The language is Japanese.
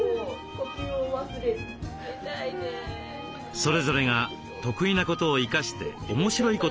それぞれが得意なことを生かして面白いことをしよう。